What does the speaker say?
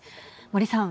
森さん。